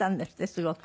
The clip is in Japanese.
すごく。